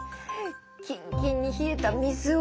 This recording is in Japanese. キンキンにひえた水を。